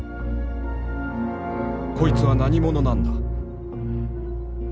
「こいつは何者なんだ」。